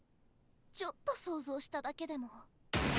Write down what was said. ちょっと想像しただけでも。